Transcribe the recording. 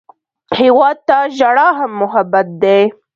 هېواد ته ژړا هم محبت دی